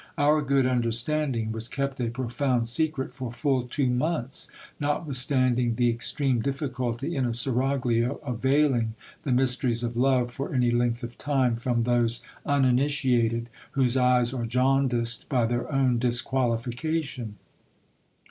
Our good understanding was kept a profound secret for full two months, notwithstanding the extreme difficulty in a seraglio of veiling the mysteries of love for any length of time from those uninitiated, whose eyes are jaundiced by their own disqualification.